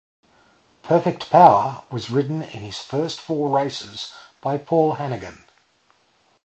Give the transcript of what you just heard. Perfect Power was ridden in his first four races by Paul Hanagan.